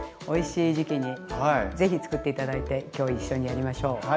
おいしい時期にぜひつくって頂いて今日一緒にやりましょう。